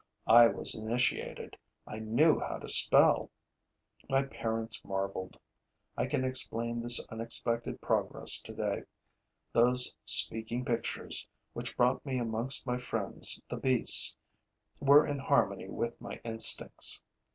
I was initiated; I knew how to spell. My parents marveled. I can explain this unexpected progress today. Those speaking pictures, which brought me amongst my friends the beasts, were in harmony with my instincts.